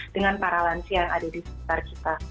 dengan para lansia yang ada di sekitar kita